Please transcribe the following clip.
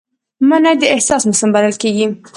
مني د احساس موسم بلل کېږي